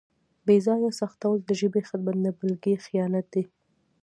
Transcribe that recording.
بې ځایه سختول د ژبې خدمت نه بلکې خیانت دی.